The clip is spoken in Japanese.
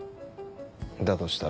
だとしたら？